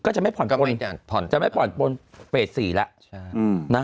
จะไม่ผ่อนปนจะไม่ผ่อนปนเฟส๔แล้ว